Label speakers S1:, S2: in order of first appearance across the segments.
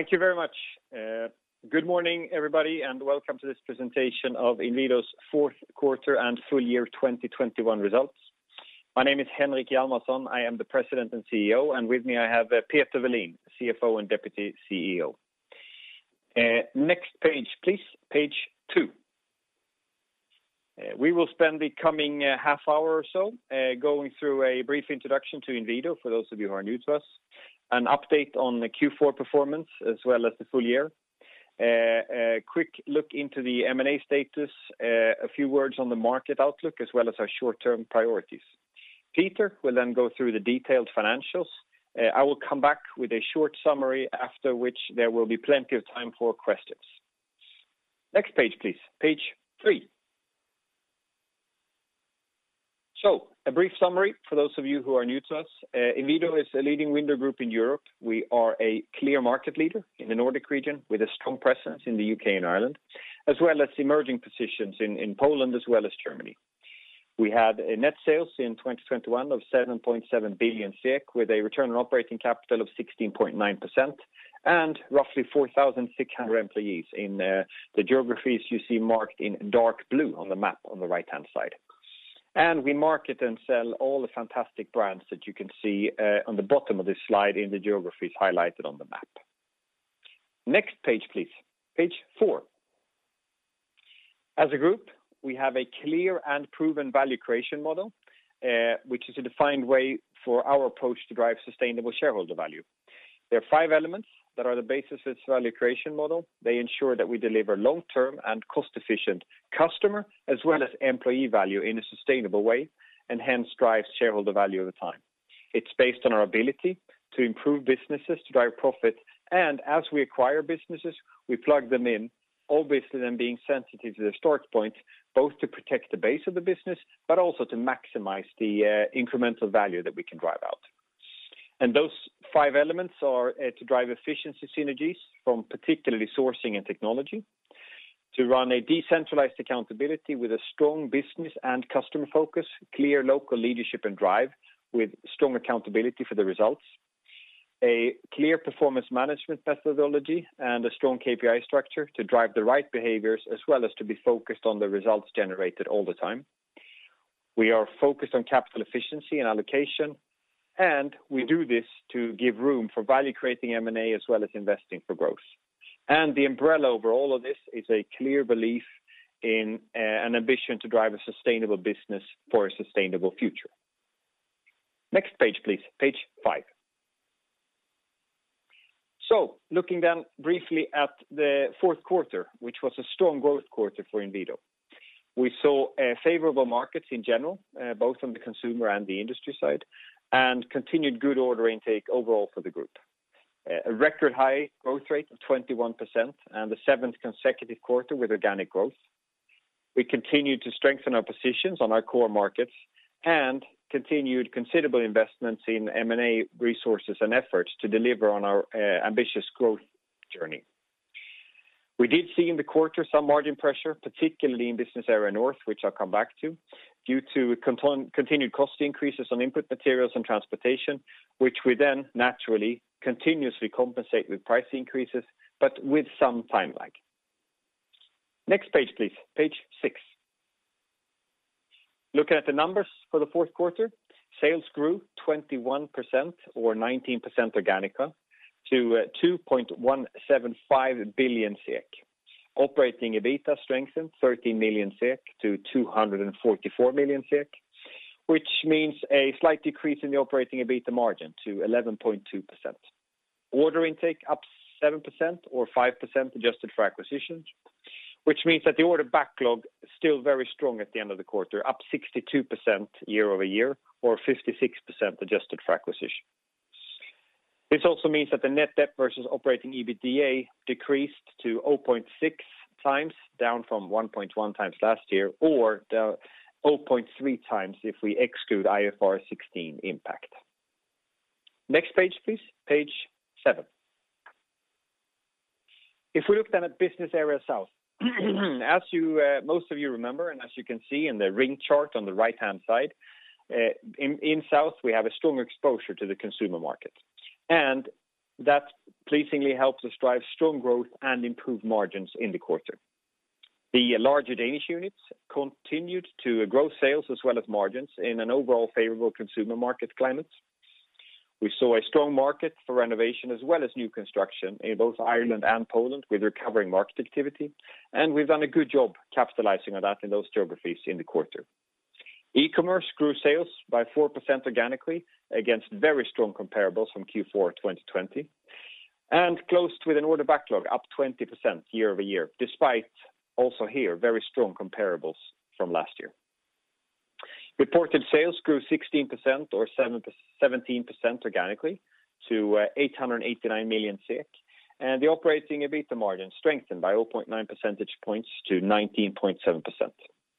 S1: Thank you very much. Good morning, everybody, and welcome to this presentation of Inwido's fourth quarter and full year 2021 results. My name is Henrik Hjalmarsson. I am the President and CEO, and with me I have Peter Welin, CFO and Deputy CEO. Next page, please. Page two. We will spend the coming half hour or so, going through a brief introduction to Inwido for those of you who are new to us, an update on the Q4 performance as well as the full year, a quick look into the M&A status, a few words on the market outlook, as well as our short-term priorities. Peter will then go through the detailed financials. I will come back with a short summary after which there will be plenty of time for questions. Next page, please. Page three. A brief summary for those of you who are new to us. Inwido is a leading window group in Europe. We are a clear market leader in the Nordic region with a strong presence in the UK and Ireland, as well as emerging positions in Poland as well as Germany. We had net sales in 2021 of 7.7 billion with a return on operating capital of 16.9% and roughly 4,600 employees in the geographies you see marked in dark blue on the map on the right-hand side. We market and sell all the fantastic brands that you can see on the bottom of this slide in the geographies highlighted on the map. Next page, please. Page four. As a group, we have a clear and proven value creation model, which is a defined way for our approach to drive sustainable shareholder value. There are five elements that are the basis of this value creation model. They ensure that we deliver long-term and cost-efficient customer as well as employee value in a sustainable way, and hence drive shareholder value over time. It's based on our ability to improve businesses to drive profit. As we acquire businesses, we plug them in, obviously then being sensitive to the start point, both to protect the base of the business, but also to maximize the incremental value that we can drive out. Those five elements are to drive efficiency synergies from particularly sourcing and technology, to run a decentralized accountability with a strong business and customer focus, clear local leadership and drive with strong accountability for the results, a clear performance management methodology, and a strong KPI structure to drive the right behaviors as well as to be focused on the results generated all the time. We are focused on capital efficiency and allocation, and we do this to give room for value creating M&A as well as investing for growth. The umbrella over all of this is a clear belief in an ambition to drive a sustainable business for a sustainable future. Next page, please. Page five. Looking then briefly at the fourth quarter, which was a strong growth quarter for Inwido. We saw favorable markets in general, both on the consumer and the industry side, and continued good order intake overall for the group. A record high growth rate of 21% and the seventh consecutive quarter with organic growth. We continued to strengthen our positions on our core markets and continued considerable investments in M&A resources and efforts to deliver on our ambitious growth journey. We did see in the quarter some margin pressure, particularly in Business Area North, which I'll come back to, due to continued cost increases on input materials and transportation, which we then naturally continuously compensate with price increases, but with some time lag. Next page, please. Page six. Looking at the numbers for the fourth quarter, sales grew 21% or 19% organic to 2.175 billion SEK. Operating EBITA strengthened 13 million SEK to 244 million SEK, which means a slight decrease in the operating EBITA margin to 11.2%. Order intake up 7% or 5% adjusted for acquisitions, which means that the order backlog is still very strong at the end of the quarter, up 62% year over year or 56% adjusted for acquisitions. This also means that the net debt versus operating EBITDA decreased to 0.6x, down from 1.1x last year, or down 0.3x if we exclude IFRS 16 impact. Next page, please. Page seven. If we look then at Business Area South, as you, most of you remember, and as you can see in the ring chart on the right-hand side, in South, we have a strong exposure to the consumer market. That pleasingly helps us drive strong growth and improve margins in the quarter. The larger Danish units continued to grow sales as well as margins in an overall favorable consumer market climate. We saw a strong market for renovation as well as new construction in both Ireland and Poland with recovering market activity, and we've done a good job capitalizing on that in those geographies in the quarter. e-commerce grew sales by 4% organically against very strong comparables from Q4 2020 and closed with an order backlog up 20% year-over-year, despite also here very strong comparables from last year. Reported sales grew 16% or 17% organically to 889 million, and the Operating EBITA margin strengthened by 0.9 percentage points to 19.7%.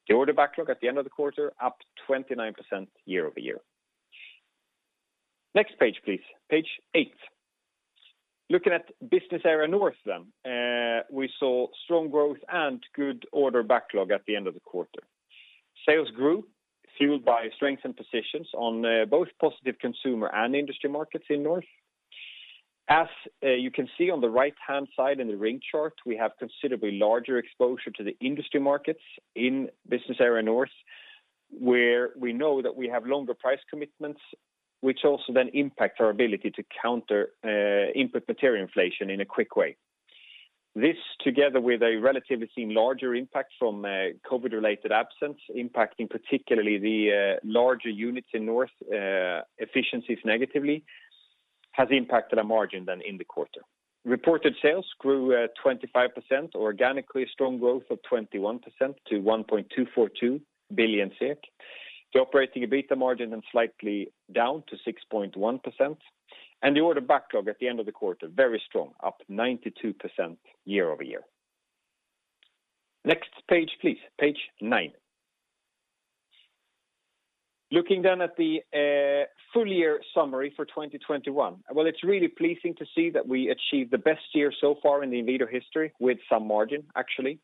S1: The order backlog at the end of the quarter up 29% year-over-year. Next page, please. Page eight. Looking at Business Area North, we saw strong growth and good order backlog at the end of the quarter. Sales grew fueled by strength and positions on both positive consumer and industry markets in North. As you can see on the right-hand side in the ring chart, we have considerably larger exposure to the industry markets in Business Area North, where we know that we have longer price commitments, which also then impact our ability to counter input material inflation in a quick way. This, together with a relatively seen larger impact from COVID-related absence, impacting particularly the larger units in North efficiencies negatively, has impacted our margin than in the quarter. Reported sales grew 25% organically, strong growth of 21% to 1.242 billion. The operating EBITDA margin then slightly down to 6.1%. The order backlog at the end of the quarter, very strong, up 92% year-over-year. Next page, please. Page nine. Looking at the full year summary for 2021. Well, it's really pleasing to see that we achieved the best year so far in the Inwido history with some margin, actually.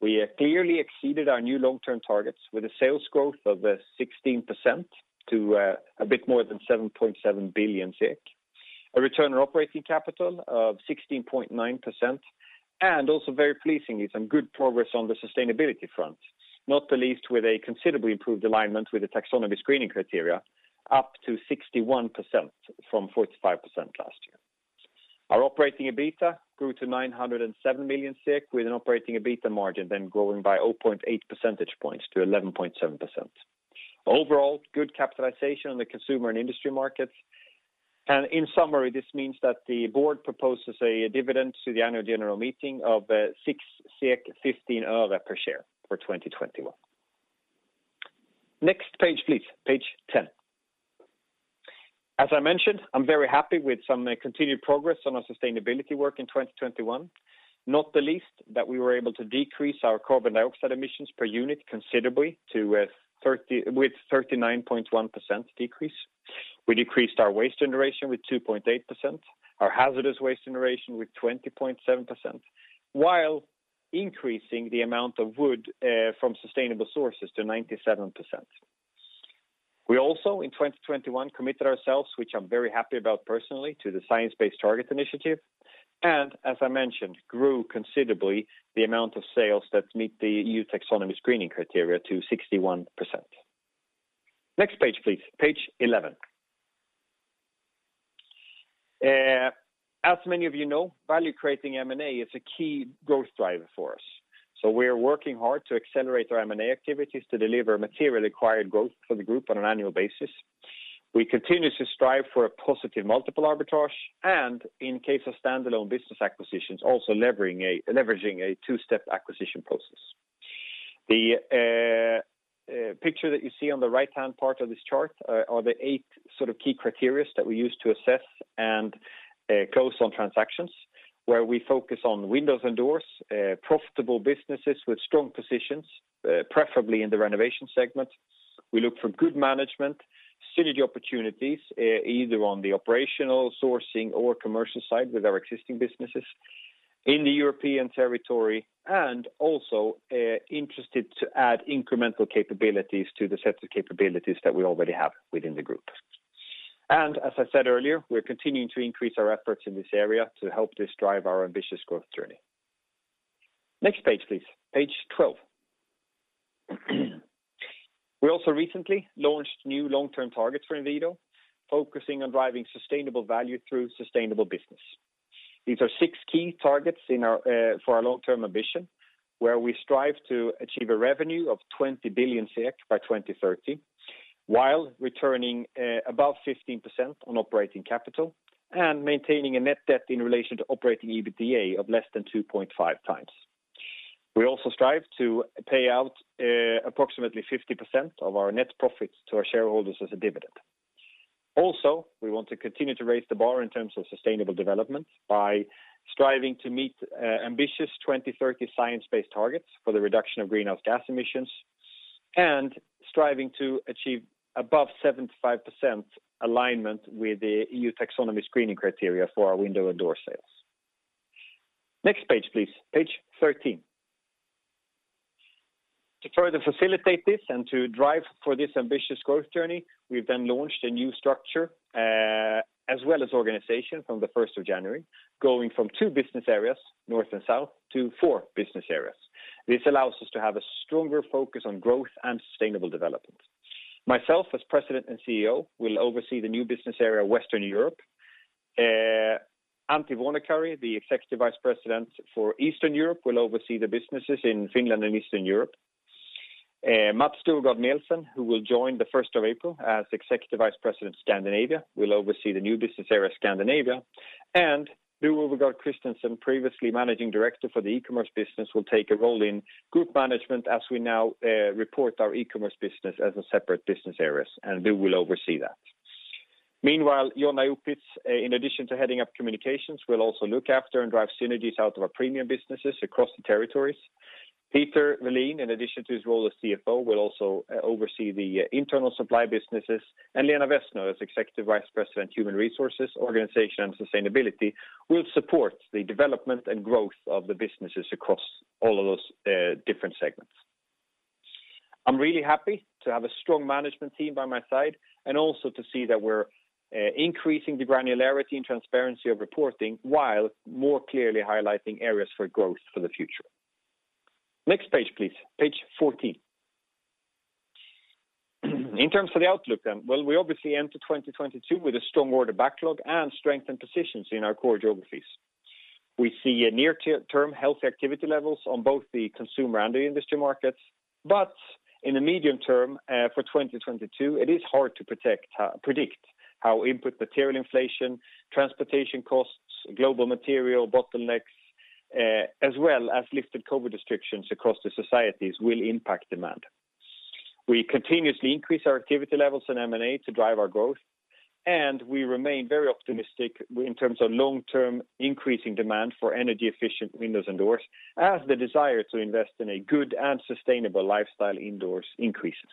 S1: We clearly exceeded our new long-term targets with a sales growth of 16% to a bit more than 7.7 billion SEK. A return on operating capital of 16.9%, and also very pleasing is some good progress on the sustainability front, not the least with a considerably improved alignment with the taxonomy screening criteria, up to 61% from 45% last year. Our operating EBITDA grew to 907 million, with an operating EBITDA margin then growing by 0.8 percentage points to 11.7%. Overall, good capitalization on the consumer and industry markets. In summary, this means that the board proposes a dividend to the annual general meeting of SEK 6.15 per share for 2021. Next page, please. Page 10. As I mentioned, I'm very happy with some continued progress on our sustainability work in 2021, not the least that we were able to decrease our carbon dioxide emissions per unit considerably with 39.1% decrease. We decreased our waste generation with 2.8%, our hazardous waste generation with 20.7%, while increasing the amount of wood from sustainable sources to 97%. We also, in 2021, committed ourselves, which I'm very happy about personally, to the Science Based Targets initiative, and as I mentioned, grew considerably the amount of sales that meet the EU taxonomy screening criteria to 61%. Next page, please. Page eleven. As many of you know, value creating M&A is a key growth driver for us. We are working hard to accelerate our M&A activities to deliver material acquired growth for the group on an annual basis. We continue to strive for a positive multiple arbitrage, and in case of stand-alone business acquisitions, also leveraging a two-step acquisition process. The picture that you see on the right-hand part of this chart are the eight sort of key criteria that we use to assess and close on transactions, where we focus on windows and doors, profitable businesses with strong positions, preferably in the renovation segment. We look for good management, synergy opportunities, either on the operational sourcing or commercial side with our existing businesses in the European territory, and also interested to add incremental capabilities to the set of capabilities that we already have within the group. As I said earlier, we're continuing to increase our efforts in this area to help this drive our ambitious growth journey. Next page, please. Page 12. We also recently launched new long-term targets for Inwido, focusing on driving sustainable value through sustainable business. These are six key targets for our long-term ambition, where we strive to achieve a revenue of 20 billion by 2030, while returning above 15% on operating capital and maintaining a net debt in relation to operating EBITDA of less than 2.5x. We also strive to pay out approximately 50% of our net profits to our shareholders as a dividend. Also, we want to continue to raise the bar in terms of sustainable development by striving to meet ambitious 2030 Science Based Targets for the reduction of greenhouse gas emissions and striving to achieve above 75% alignment with the EU taxonomy screening criteria for our window and door sales. Next page, please. Page 13. To further facilitate this and to drive for this ambitious growth journey, we've then launched a new structure as well as organization from January 1, going from two business areas, North and South, to four business areas. This allows us to have a stronger focus on growth and sustainable development. Myself, as President and CEO, will oversee the new business area, Western Europe. Antti Vuonokari, the Executive Vice President for Eastern Europe, will oversee the businesses in Finland and Eastern Europe. Mads Storgaard Mehlsen, who will join the first of April as Executive Vice President Scandinavia, will oversee the new business area Scandinavia. Bo Overgaard Christensen, previously Managing Director for the e-commerce business, will take a role in group management as we now report our e-commerce business as a separate business areas, and Bo will oversee that. Meanwhile, Jonna Opitz, in addition to heading up communications, will also look after and drive synergies out of our premium businesses across the territories. Peter Welin, in addition to his role as CFO, will also oversee the internal supply businesses. Lena Wessner, as Executive Vice President Human Resources, Organization, and Sustainability, will support the development and growth of the businesses across all of those different segments. I'm really happy to have a strong management team by my side, and also to see that we're increasing the granularity and transparency of reporting while more clearly highlighting areas for growth for the future. Next page, please. Page 14. In terms of the outlook then, well, we obviously enter 2022 with a strong order backlog and strengthened positions in our core geographies. We see a near-term healthy activity levels on both the consumer and the industry markets. In the medium term, for 2022, it is hard to predict how input material inflation, transportation costs, global material bottlenecks, as well as lifted COVID restrictions across the societies will impact demand. We continuously increase our activity levels in M&A to drive our growth, and we remain very optimistic in terms of long-term increasing demand for energy efficient windows and doors as the desire to invest in a good and sustainable lifestyle indoors increases.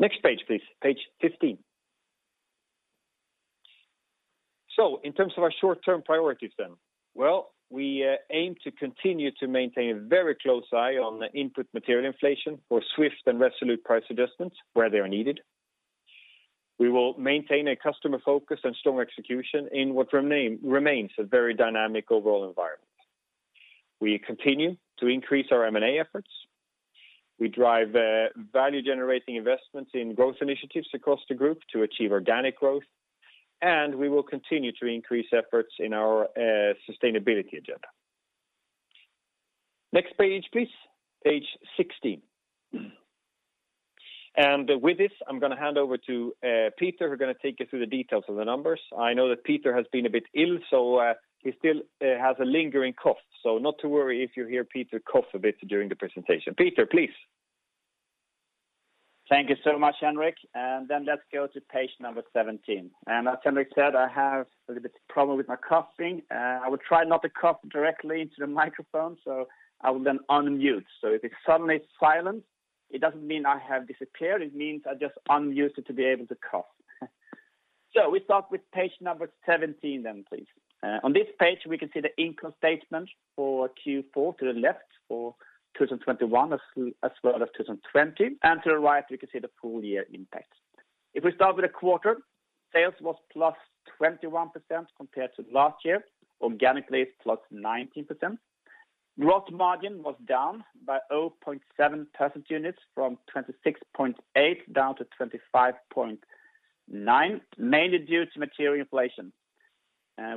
S1: Next page, please. Page 15. In terms of our short term priorities then. Well, we aim to continue to maintain a very close eye on the input material inflation for swift and resolute price adjustments where they are needed. We will maintain a customer focus and strong execution in what remains a very dynamic overall environment. We continue to increase our M&A efforts. We drive value generating investments in growth initiatives across the group to achieve organic growth, and we will continue to increase efforts in our sustainability agenda. Next page, please. Page 16. With this, I'm gonna hand over to Peter, who's gonna take you through the details of the numbers. I know that Peter has been a bit ill, so he still has a lingering cough. Not to worry if you hear Peter cough a bit during the presentation. Peter, please.
S2: Thank you so much, Henrik. Let's go to Page 17. As Henrik said, I have a little bit of a problem with my coughing. I will try not to cough directly into the microphone, so I will then unmute. If it's suddenly silent, it doesn't mean I have disappeared, it means I just unmute it to be able to cough. We start with Page 17 then please. On this page we can see the income statement for Q4 to the left for 2021 as well as 2020. To the right you can see the full year impact. If we start with the quarter, sales was +21% compared to last year. Organically, it's +19%. Gross margin was down by 0.7 percentage points from 26.8%-25.9%, mainly due to material inflation.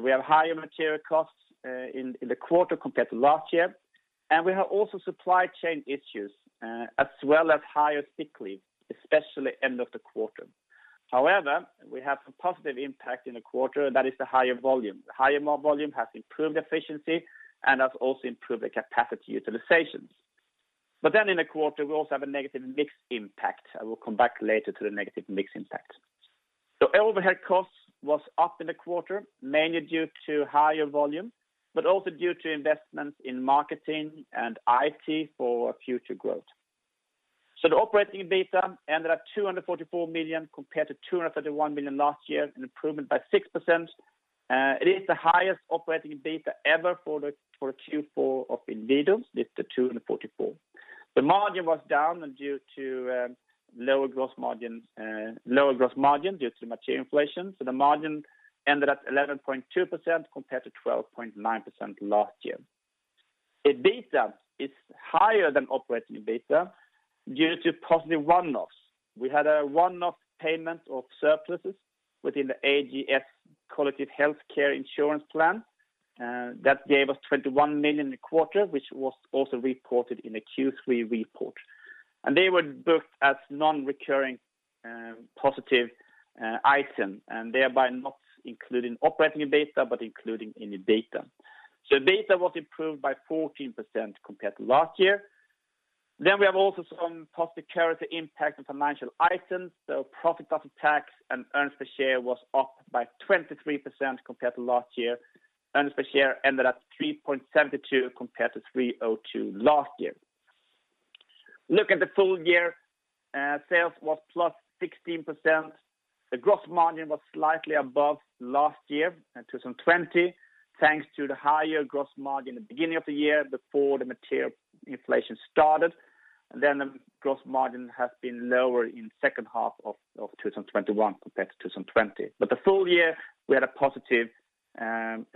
S2: We have higher material costs in the quarter compared to last year. We have also supply chain issues, as well as higher sick leave, especially at the end of the quarter. However, we have some positive impact in the quarter, and that is the higher volume. The higher volume has improved efficiency and has also improved the capacity utilizations. In the quarter we also have a negative mix impact. I will come back later to the negative mix impact. Overhead costs was up in the quarter, mainly due to higher volume, but also due to investments in marketing and IT for future growth. The operating EBITDA ended at 244 million compared to 231 million last year, an improvement by 6%. It is the highest operating EBITDA ever for the Q4 of Inwido, with the 244. The margin was down due to lower gross margin due to material inflation. The margin ended at 11.2% compared to 12.9% last year. EBITDA is higher than operating EBITDA due to positive one-offs. We had a one-off payment of surpluses within the AGS Collective Sickness Insurance plan that gave us 21 million a quarter, which was also reported in the Q3 report. They were booked as non-recurring positive item, and thereby not included in operating EBITDA, but including in EBITDA. EBITDA was improved by 14% compared to last year. We have also some positive currency impact on financial items. Profit after tax and earnings per share was up by 23% compared to last year. Earnings per share ended at 3.72 compared to 3.2 last year. Look at the full year, sales was +16%. The gross margin was slightly above last year in 2020, thanks to the higher gross margin at the beginning of the year before the material inflation started. The gross margin has been lower in second half of 2021 compared to 2020. The full year we had a positive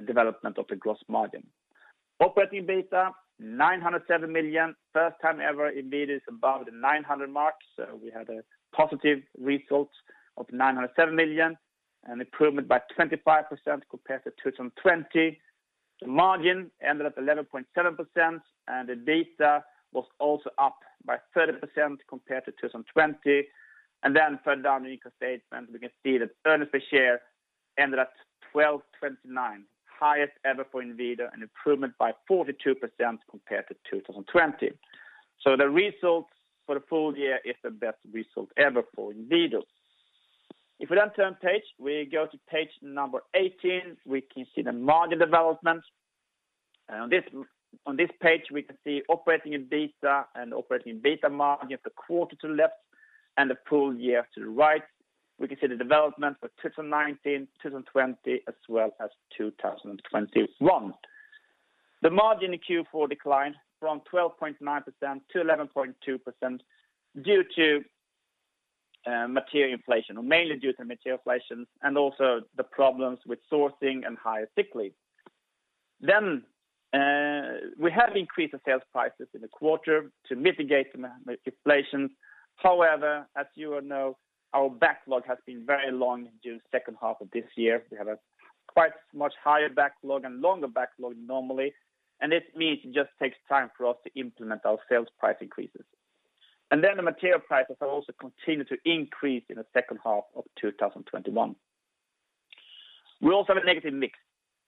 S2: development of the gross margin. Operating EBITDA 907 million. First time ever Inwido is above the 900 mark. We had a positive result of 907 million, an improvement by 25% compared to 2020. The margin ended at 11.7%, and the EBITDA was also up by 30% compared to 2020. Then further down the income statement, we can see that earnings per share ended at 12.29, highest ever for Inwido, an improvement by 42% compared to 2020. The results for the full year is the best result ever for Inwido. If we then turn page, we go to Page number 18, we can see the margin development. On this page, we can see operating EBITDA and operating EBITDA margin of the quarter to the left and the full year to the right. We can see the development for 2019, 2020, as well as 2021. The margin in Q4 declined from 12.9%-11.2% due to material inflation or mainly due to material inflation and also the problems with sourcing and higher sick leave. We have increased the sales prices in the quarter to mitigate the inflation. However, as you all know, our backlog has been very long during second half of this year. We have a quite much higher backlog and longer backlog normally. This means it just takes time for us to implement our sales price increases. The material prices have also continued to increase in the second half of 2021. We also have a negative mix,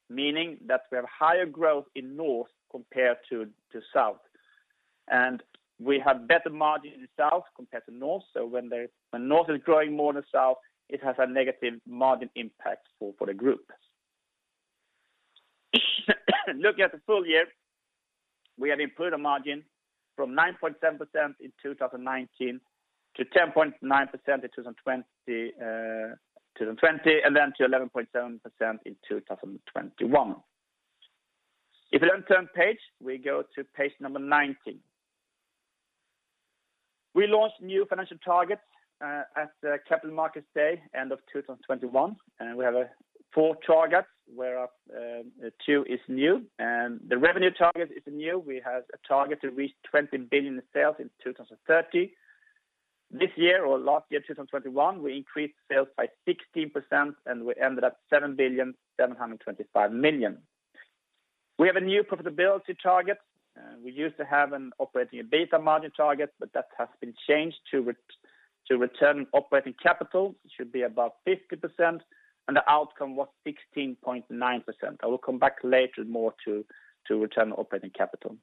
S2: meaning that we have higher growth in North compared to South. We have better margin in South compared to North. When North is growing more than South, it has a negative margin impact for the group. Looking at the full year, we have improved the margin from 9.7% in 2019 to 10.9% in 2020, and then to 11.7% in 2021. If you then turn page, we go to Page 19. We launched new financial targets at the Capital Markets Day, end of 2021. We have four targets, where two is new. The revenue target is new. We have a target to reach 20 billion in sales in 2030. This year or last year, 2021, we increased sales by 16% and we ended up 7.725 billion. We have a new profitability target. We used to have an operating EBITDA margin target, but that has been changed to return on operating capital. It should be above 50%, and the outcome was 16.9%. I will come back later more to return on operating capital.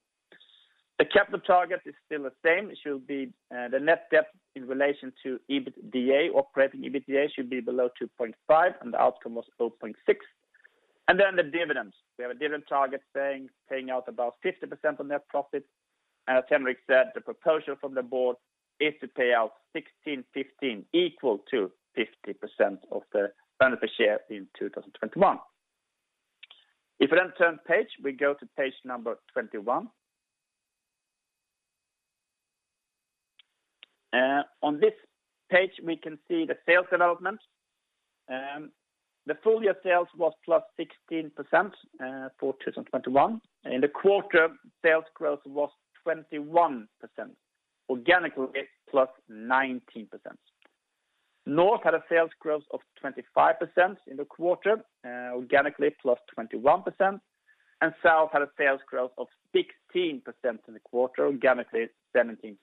S2: The capital target is still the same. It should be the net debt in relation to operating EBITDA should be below 2.5, and the outcome was 0.6. Then the dividends. We have a dividend target saying paying out about 50% on net profit. As Henrik said, the proposal from the board is to pay out 16.15 equal to 50% of the earnings per share in 2021. If you then turn page, we go to Page 21. On this page, we can see the sales development. The full year sales was +16% for 2021. In the quarter, sales growth was 21%, organically +19%. North had a sales growth of 25% in the quarter, organically +21%. South had a sales growth of 16% in the quarter, organically 17%.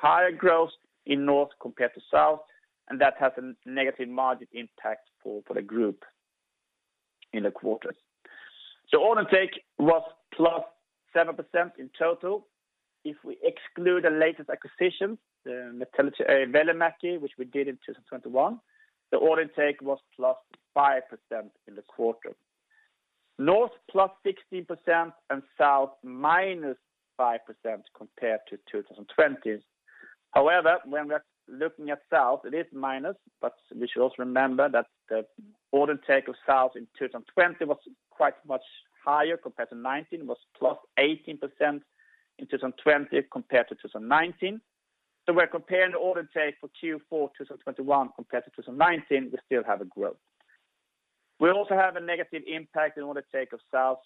S2: Higher growth in North compared to South, and that has a negative margin impact for the group in the quarter. Order intake was +7% in total. If we exclude the latest acquisitions, the Metallityö Välimäki Oy, which we did in 2021, the order intake was +5% in the quarter. North +16% and South -5% compared to 2020. However, when we are looking at South, it is minus, but we should also remember that the order intake of South in 2020 was quite much higher compared to 2019, was +18% in 2020 compared to 2019. We're comparing the order intake for Q4 2021 compared to 2019, we still have a growth. We also have a negative impact in order intake of South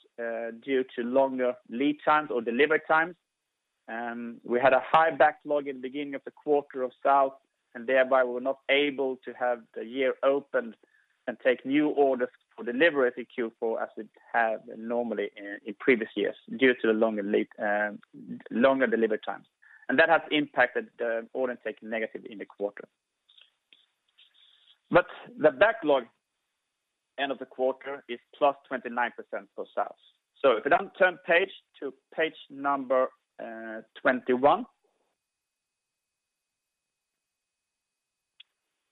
S2: due to longer lead times or delivery times. We had a high backlog in the beginning of the quarter of South, and thereby we were not able to have the year opened and take new orders for delivery for Q4 as we have normally in previous years due to the longer lead, longer delivery times. That has impacted the order intake negative in the quarter. The backlog end of the quarter is +29% for South. If you then turn to Page 21.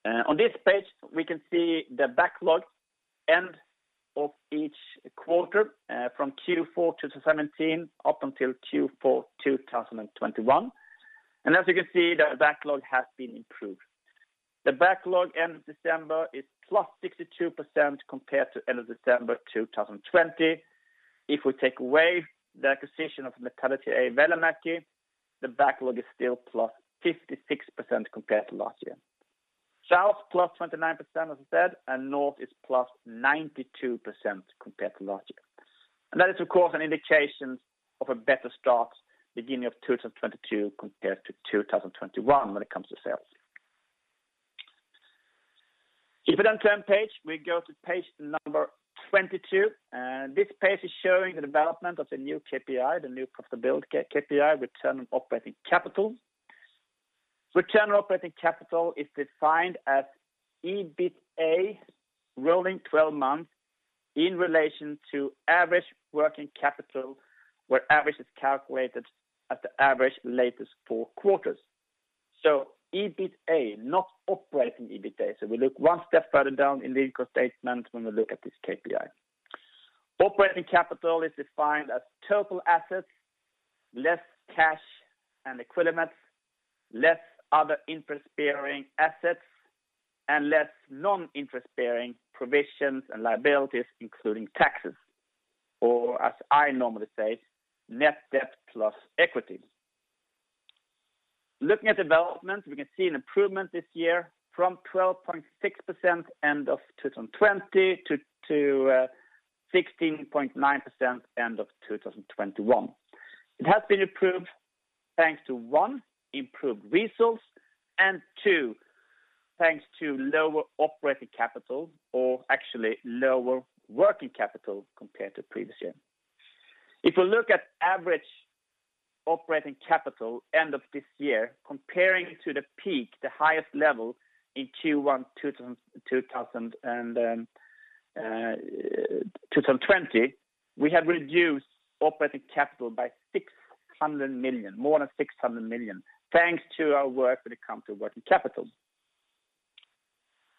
S2: On this page, we can see the backlog end of each quarter from Q4 2017 up until Q4 2021. As you can see, the backlog has been improved. The backlog end of December is +62% compared to end of December 2020. If we take away the acquisition of Metallityö Välimäki Oy, the backlog is still plus 56% compared to last year. South +29% as I said, and North is +92% compared to last year. That is of course, an indication of a better start beginning of 2022 compared to 2021 when it comes to sales. If you then turn page, we go to Page number 22. This page is showing the development of the new KPI, the new profitability KPI, return on operating capital. Return on operating capital is defined as EBITDA rolling 12 months in relation to average working capital, where average is calculated at the average latest 4 quarters. So EBITDA, not operating EBITDA. So we look one step further down in the income statement when we look at this KPI. Operating capital is defined as total assets less cash and equivalents, less other interest bearing assets and less non-interest bearing provisions and liabilities including taxes, or as I normally say net debt plus equity. Looking at development, we can see an improvement this year from 12.6% end of 2020 to 16.9% end of 2021. It has been improved thanks to one, improved results, and two, thanks to lower operating capital or actually lower working capital compared to previous year. If you look at average operating capital end of this year comparing to the peak, the highest level in Q1 2020, we have reduced operating capital by SEK 600 million, more than 600 million, thanks to our work when it comes to working capital.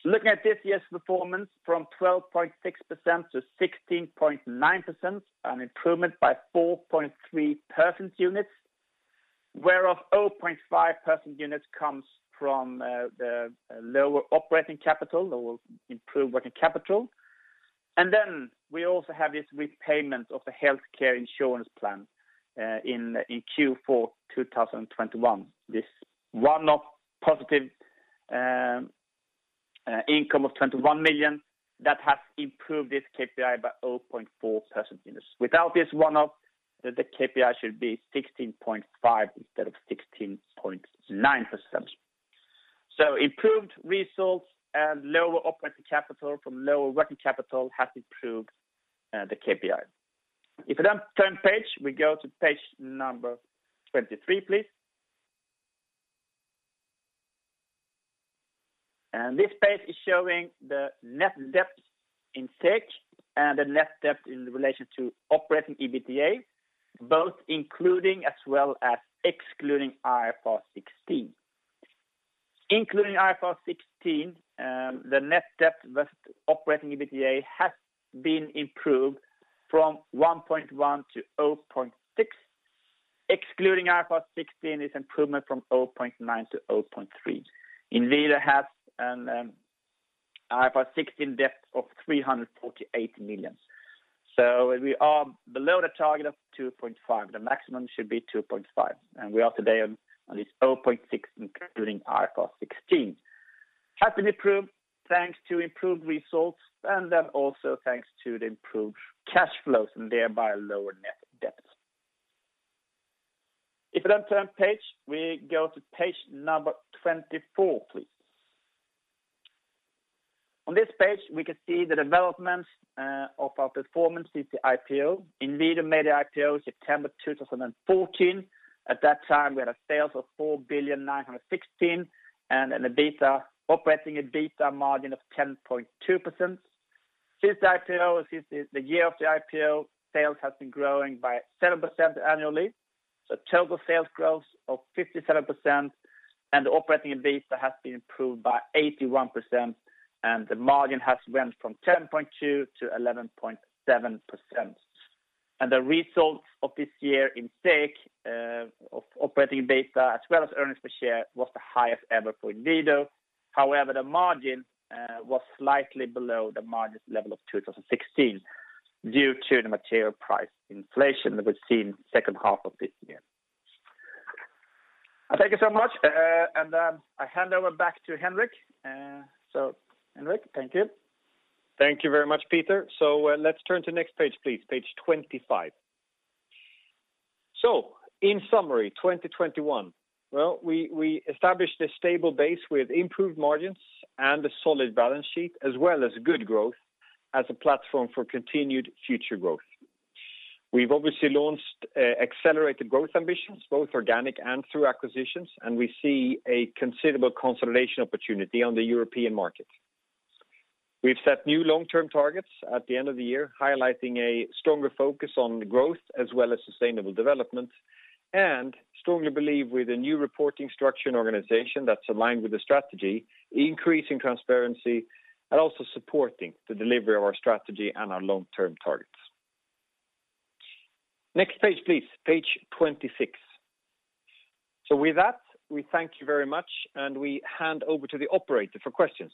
S2: Looking at this year's performance from 12.6%-16.9%, an improvement by 4.3 percentage units, whereof 0.5 percentage units comes from the lower operating capital or improved working capital. We also have this repayment of the healthcare insurance plan in Q4 2021. This one-off positive income of 21 million that has improved this KPI by 0.4 percentage units. Without this one-off, the KPI should be 16.5% instead of 16.9%. Improved results and lower operating capital from lower working capital has improved the KPI. If you then turn page, we go to Page 23, please. This page is showing the net debt in SEK and the net debt in relation to operating EBITDA, both including as well as excluding IFRS 16. Including IFRS 16, the net debt versus operating EBITDA has been improved from 1.1 to 0.6. Excluding IFRS 16 is improvement from 0.9 to 0.3. Inwido has an IFRS 16 debt of 348 million. We are below the target of 2.5. The maximum should be 2.5, and we are today on this 0.6 including IFRS 16. Has been improved thanks to improved results and then also thanks to the improved cash flows and thereby lower net debt. If you then turn page, we go to Page number 24, please. On this page, we can see the developments of our performance since the IPO. Inwido made the IPO September 2014. At that time, we had sales of 4.916 billion and an operating EBITDA margin of 10.2%. Since the IPO, since the year of the IPO, sales has been growing by 7% annually. Total sales growth of 57% and the operating EBITDA has been improved by 81% and the margin has went from 10.2%-11.7%. The results of this year in SEK of operating EBITDA as well as earnings per share was the highest ever for Inwido. However, the margin was slightly below the margin level of 2016 due to the material price inflation that we've seen second half of this year. Thank you so much. I hand over back to Henrik. Henrik, thank you.
S1: Thank you very much, Peter. Let's turn to next page, please. Page 25. In summary, 2021. Well, we established a stable base with improved margins and a solid balance sheet as well as good growth as a platform for continued future growth. We've obviously launched accelerated growth ambitions, both organic and through acquisitions, and we see a considerable consolidation opportunity on the European market. We've set new long-term targets at the end of the year, highlighting a stronger focus on growth as well as sustainable development, and we strongly believe with a new reporting structure and organization that's aligned with the strategy, increasing transparency and also supporting the delivery of our strategy and our long-term targets. Next page, please. Page 26. With that, we thank you very much and we hand over to the operator for questions.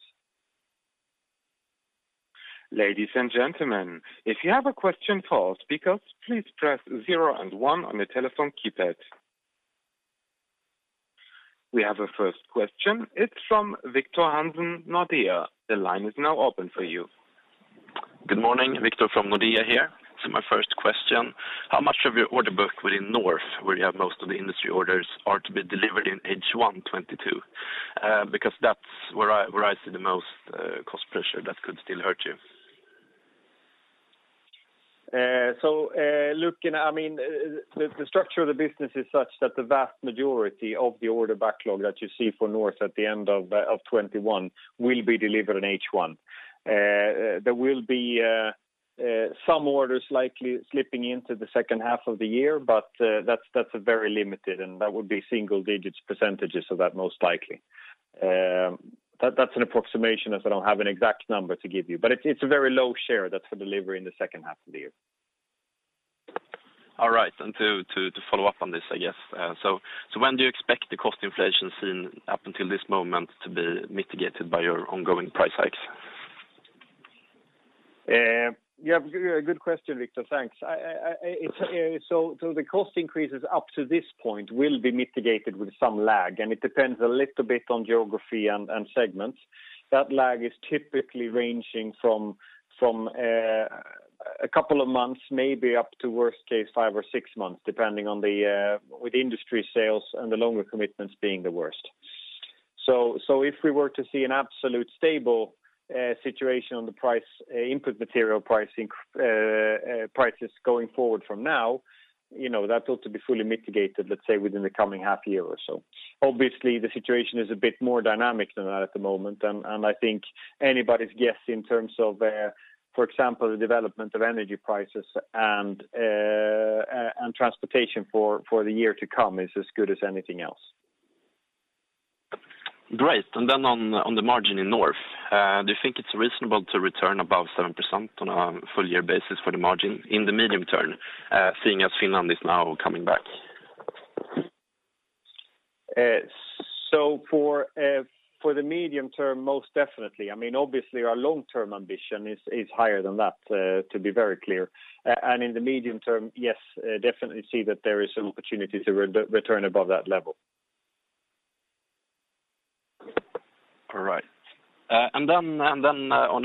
S3: Ladies and gentlemen, if you have a question for our speakers, please press zero and one on your telephone keypad. We have a first question. It's from Victor Hansen, Nordea. The line is now open for you.
S4: Good morning, Victor from Nordea here. My first question, how much of your order book within North, where you have most of the industry orders, are to be delivered in H1 2022? Because that's where I see the most cost pressure that could still hurt you.
S1: The structure of the business is such that the vast majority of the order backlog that you see for North at the end of 2021 will be delivered in H1. There will be some orders likely slipping into the second half of the year, but that's very limited, and that would be single-digit percentage of that most likely. That's an approximation as I don't have an exact number to give you. It's a very low share that's for delivery in the second half of the year.
S4: All right. To follow up on this, I guess. When do you expect the cost inflation seen up until this moment to be mitigated by your ongoing price hikes?
S1: You have a good question, Victor. Thanks. The cost increases up to this point will be mitigated with some lag, and it depends a little bit on geography and segments. That lag is typically ranging from a couple of months, maybe up to worst case, five or six months, depending on industry sales and the longer commitments being the worst. If we were to see an absolutely stable situation on the price of input material prices going forward from now, you know, that ought to be fully mitigated, let's say, within the coming half year or so. Obviously, the situation is a bit more dynamic than that at the moment. I think anybody's guess in terms of, for example, the development of energy prices and transportation for the year to come is as good as anything else.
S4: Great. On the margin in North, do you think it's reasonable to return above 7% on a full year basis for the margin in the medium term, seeing as Finland is now coming back?
S1: For the medium term, most definitely. I mean, obviously, our long-term ambition is higher than that, to be very clear. In the medium term, yes, definitely see that there is an opportunity to return above that level.
S4: All right. On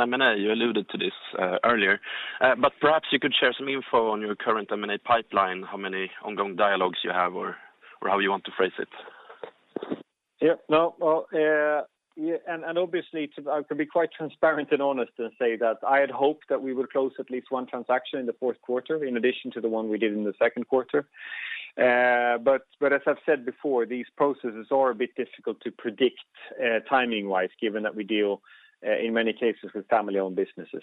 S4: M&A, you alluded to this earlier. Perhaps you could share some info on your current M&A pipeline, how many ongoing dialogues you have or how you want to phrase it.
S1: Obviously I can be quite transparent and honest and say that I had hoped that we would close at least one transaction in the fourth quarter, in addition to the one we did in the second quarter. As I've said before, these processes are a bit difficult to predict timing-wise, given that we deal in many cases with family-owned businesses.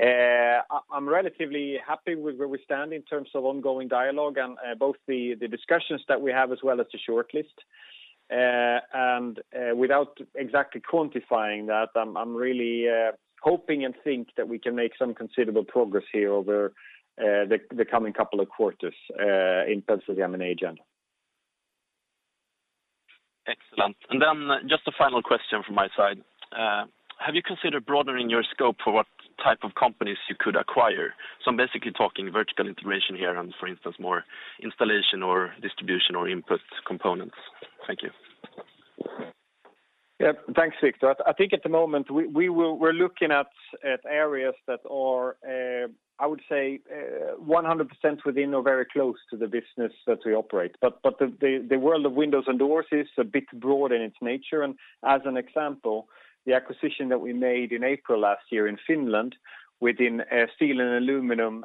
S1: I'm relatively happy with where we stand in terms of ongoing dialogue and both the discussions that we have as well as the shortlist. Without exactly quantifying that, I'm really hoping and think that we can make some considerable progress here over the coming couple of quarters in terms of the M&A agenda.
S4: Excellent. Just a final question from my side. Have you considered broadening your scope for what type of companies you could acquire? I'm basically talking vertical integration here and for instance, more installation or distribution or input components. Thank you.
S1: Yeah. Thanks, Victor. I think at the moment, we're looking at areas that are, I would say, 100% within or very close to the business that we operate. The world of windows and doors is a bit broad in its nature. As an example, the acquisition that we made in April last year in Finland within steel and aluminum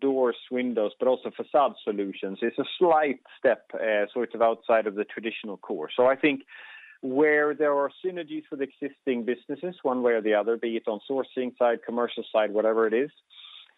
S1: doors, windows, but also facade solutions, is a slight step sort of outside of the traditional core. I think where there are synergies with existing businesses one way or the other, be it on sourcing side, commercial side, whatever it is,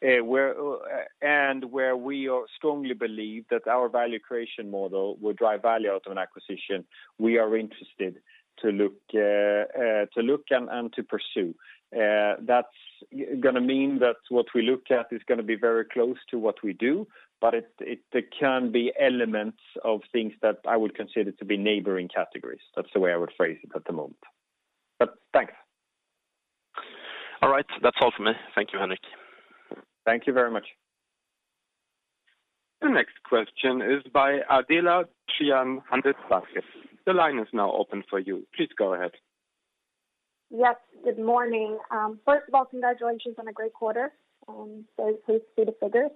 S1: where we strongly believe that our value creation model will drive value out of an acquisition, we are interested to look and to pursue. That's gonna mean that what we look at is gonna be very close to what we do, but it can be elements of things that I would consider to be neighboring categories. That's the way I would phrase it at the moment. Thanks.
S4: All right. That's all for me. Thank you, Henrik.
S1: Thank you very much.
S3: The next question is by Adnan Memon from Ålandsbanken. The line is now open for you. Please go ahead.
S5: Yes, good morning. First of all, congratulations on a great quarter. Very pleased with the figures.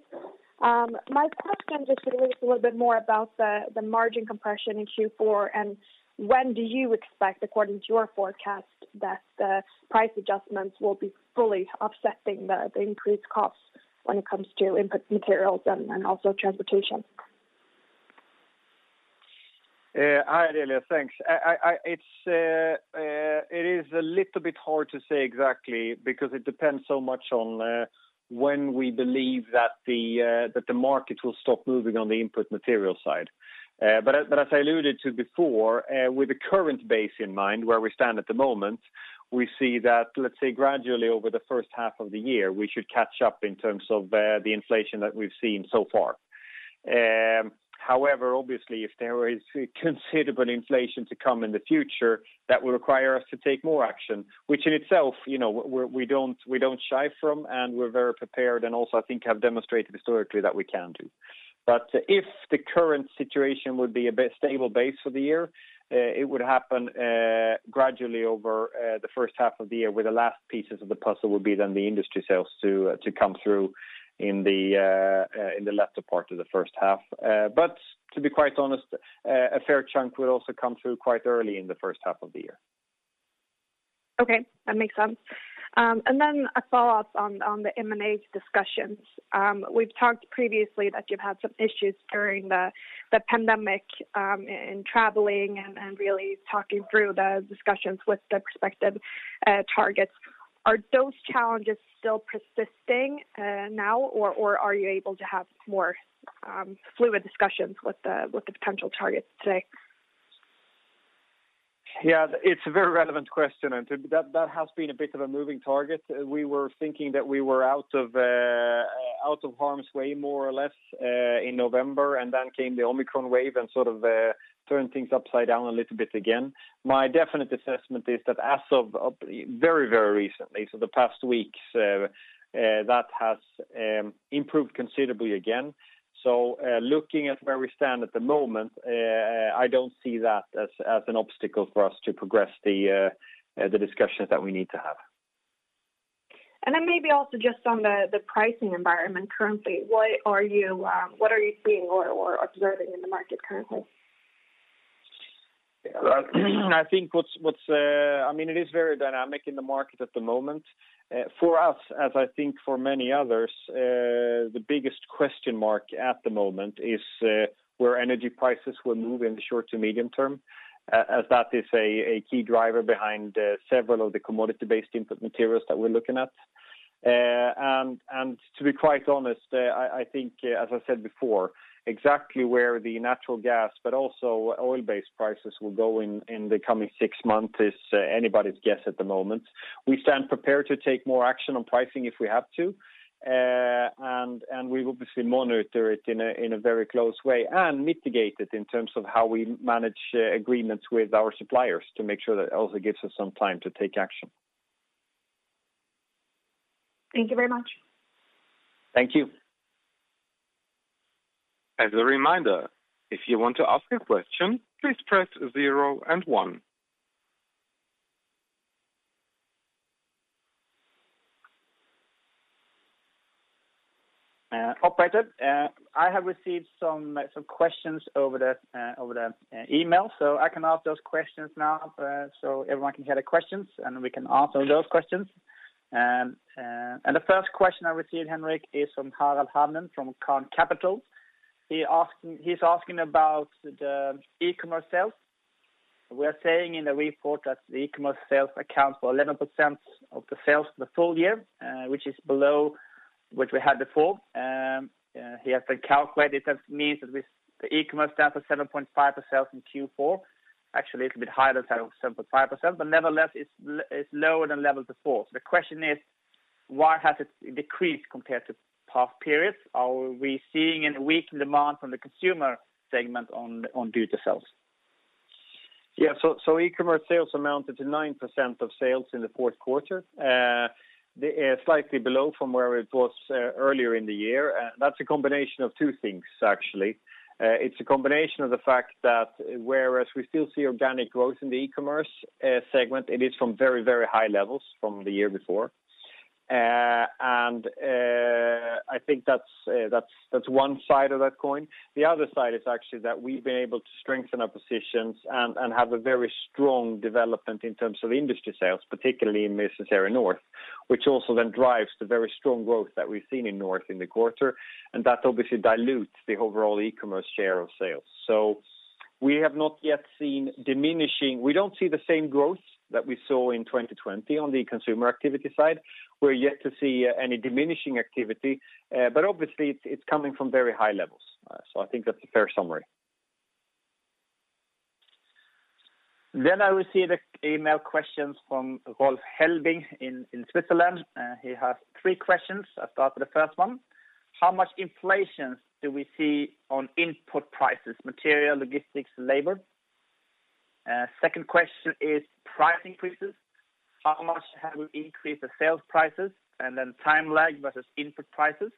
S5: My question just relates a little bit more about the margin compression in Q4, and when do you expect, according to your forecast, that the price adjustments will be fully offsetting the increased costs when it comes to input materials and also transportation?
S1: Yeah. Hi, Adnan. Thanks. It's a little bit hard to say exactly because it depends so much on when we believe that the market will stop moving on the input material side. But as I alluded to before, with the current base in mind where we stand at the moment, we see that, let's say, gradually over the first half of the year, we should catch up in terms of the inflation that we've seen so far. However, obviously, if there is considerable inflation to come in the future, that will require us to take more action, which in itself, you know, we don't shy from, and we're very prepared, and also I think have demonstrated historically that we can do. If the current situation would be a bit stable base for the year, it would happen gradually over the first half of the year, where the last pieces of the puzzle would be then the industry sales to come through in the latter part of the first half. To be quite honest, a fair chunk will also come through quite early in the first half of the year.
S5: Okay, that makes sense. A follow-up on the M&A discussions. We've talked previously that you've had some issues during the pandemic in traveling and really talking through the discussions with the prospective targets. Are those challenges still persisting now, or are you able to have more fluid discussions with the potential targets today.
S1: Yeah. It's a very relevant question, and that has been a bit of a moving target. We were thinking that we were out of harm's way more or less in November, and then came the Omicron wave and sort of turned things upside down a little bit again. My definite assessment is that as of very recently, so the past weeks, that has improved considerably again. Looking at where we stand at the moment, I don't see that as an obstacle for us to progress the discussions that we need to have.
S5: Maybe also just on the pricing environment currently. What are you seeing or observing in the market currently?
S1: Yeah. I mean, it is very dynamic in the market at the moment. For us, as I think for many others, the biggest question mark at the moment is where energy prices will move in the short to medium term, as that is a key driver behind several of the commodity-based input materials that we're looking at. To be quite honest, I think, as I said before, exactly where the natural gas, but also oil-based prices will go in the coming six months is anybody's guess at the moment. We stand prepared to take more action on pricing if we have to, and we obviously monitor it in a very close way and mitigate it in terms of how we manage agreements with our suppliers to make sure that also gives us some time to take action.
S5: Thank you very much.
S1: Thank you.
S3: As a reminder, if you want to ask a question, please press zero and one.
S2: Operator, I have received some questions over the email, so I can ask those questions now, so everyone can hear the questions, and we can answer those questions. The first question I received, Henrik, is from Rolf Helbling from Carnot Capital. He's asking about the e-commerce sales. We are saying in the report that the e-commerce sales account for 11% of the sales in the full year, which is below what we had before. He has then calculated that means that this, the e-commerce down to 7.5% in Q4. Actually a little bit higher than 7.5%, but nevertheless it's lower than last Q4. The question is, why has it decreased compared to past periods? Are we seeing any weak demand from the consumer segment on B2C sales?
S1: Yeah. E-commerce sales amounted to 9% of sales in the fourth quarter. It was slightly below from where it was earlier in the year. That's a combination of two things actually. It's a combination of the fact that whereas we still see organic growth in the e-commerce segment, it is from very, very high levels from the year before. And I think that's one side of that coin. The other side is actually that we've been able to strengthen our positions and have a very strong development in terms of industry sales, particularly in Business Area North, which also then drives the very strong growth that we've seen in North in the quarter, and that obviously dilutes the overall e-commerce share of sales. We don't see the same growth that we saw in 2020 on the consumer activity side. We're yet to see any diminishing activity, but obviously it's coming from very high levels. I think that's a fair summary.
S2: I received an email with questions from Rolf Helbing in Switzerland. He has three questions. I'll start with the first one. How much inflation do we see on input prices, material, logistics, labor? Second question is price increases. How much have we increased the sales prices? And then time lag versus input prices.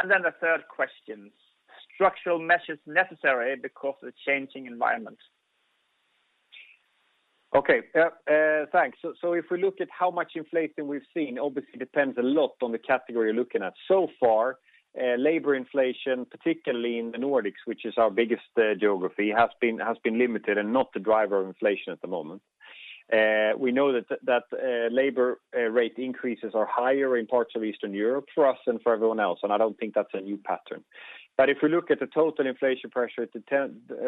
S2: And then the third question, structural measures necessary because of the changing environment.
S1: Okay. Yeah, thanks. If we look at how much inflation we've seen, it obviously depends a lot on the category you're looking at. Labor inflation, particularly in the Nordics, which is our biggest geography, has been limited and not the driver of inflation at the moment. We know that labor rate increases are higher in parts of Eastern Europe for us and for everyone else, and I don't think that's a new pattern. If we look at the total inflation pressure, it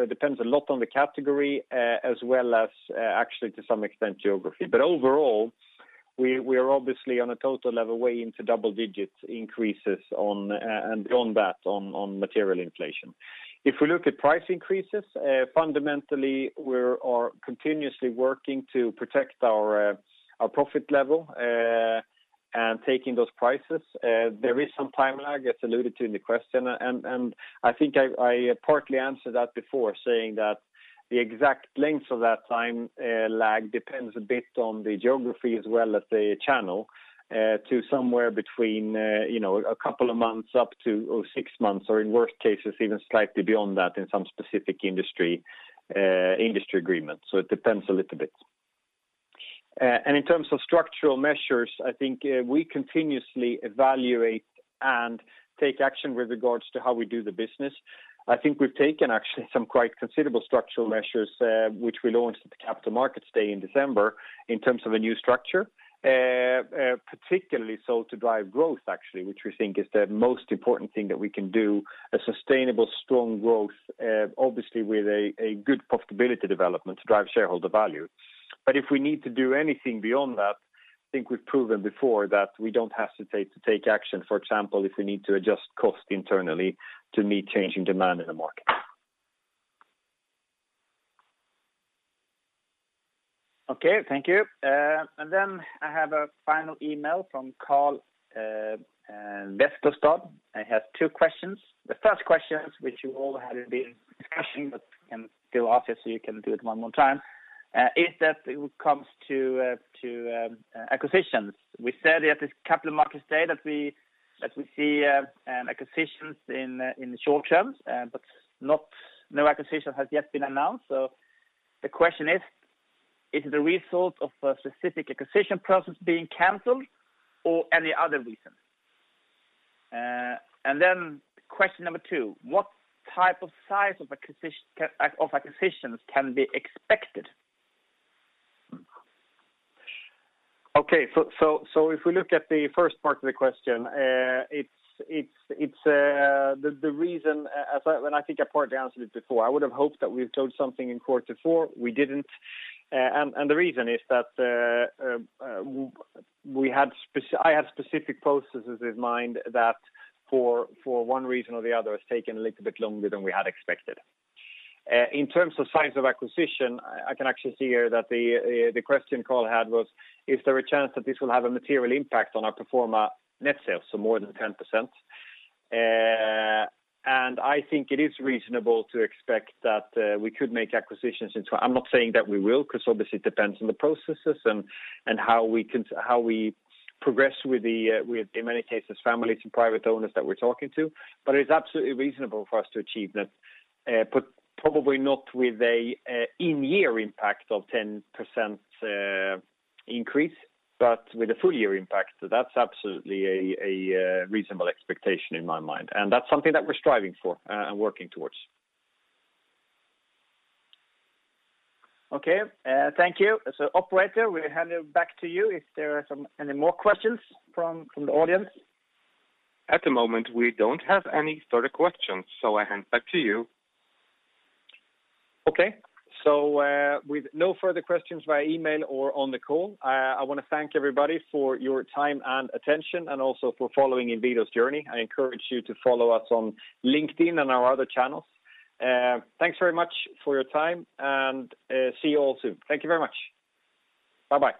S1: depends a lot on the category, as well as actually to some extent, geography. Overall, we are obviously on a total level way into double-digit increases and beyond that on material inflation. If we look at price increases, fundamentally, we're all continuously working to protect our profit level and taking those prices. There is some time lag as alluded to in the question. I think I partly answered that before, saying that the exact length of that time lag depends a bit on the geography as well as the channel to somewhere between you know a couple of months up to or six months or in worst cases even slightly beyond that in some specific industry agreement. It depends a little bit. In terms of structural measures, I think we continuously evaluate and take action with regards to how we do the business. I think we've taken actually some quite considerable structural measures, which we launched at the Capital Markets Day in December in terms of a new structure. Particularly so to drive growth actually, which we think is the most important thing that we can do, a sustainable strong growth, obviously with a good profitability development to drive shareholder value. If we need to do anything beyond that, I think we've proven before that we don't hesitate to take action, for example, if we need to adjust cost internally to meet changing demand in the market.
S2: Okay, thank you. Then I have a final email from Carl Vestosdodd. I have two questions. The first question, which you all had been discussing, but can still ask it so you can do it one more time, is, when it comes to acquisitions. We said at this Capital Markets Day that we see acquisitions in the short term, but no acquisition has yet been announced. The question is: Is the result of a specific acquisition process being canceled or any other reason? Question number two: What type and size of acquisitions can be expected?
S1: If we look at the first part of the question, it's the reason, and I think I partly answered it before. I would have hoped that we've told something in the call before, we didn't. The reason is that I had specific processes in mind that for one reason or the other has taken a little bit longer than we had expected. In terms of size of acquisition, I can actually see here that the question Carl had was, is there a chance that this will have a material impact on our pro forma net sales, so more than 10%? I think it is reasonable to expect that we could make acquisitions. I'm not saying that we will because obviously it depends on the processes and how we progress with in many cases, families and private owners that we're talking to. It's absolutely reasonable for us to achieve that, but probably not with a in-year impact of 10% increase, but with a full-year impact. That's absolutely a reasonable expectation in my mind. That's something that we're striving for and working towards.
S2: Okay, thank you. Operator, we hand it back to you if there are any more questions from the audience.
S3: At the moment, we don't have any further questions, so I hand back to you.
S1: Okay. With no further questions via email or on the call, I want to thank everybody for your time and attention and also for following Inwido's journey. I encourage you to follow us on LinkedIn and our other channels. Thanks very much for your time, and see you all soon. Thank you very much. Bye-bye.